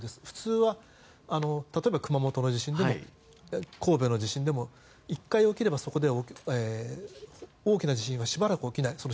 普通は例えば熊本の地震でも神戸の地震でも１回起きればそこで大きな地震はしばらく起きない。